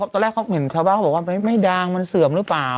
ตอนแรกเขาเห็นชาวบ้านเขาบอกว่าไม่ดางมันเสื่อมหรือเปล่า